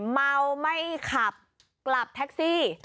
เมาไม่ขับกลับแท็กซี่